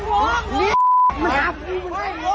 กลุ่มนี้จะไม่ชัดหัว